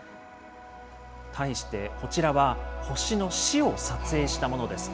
対してこちらは、星の死を撮影したものです。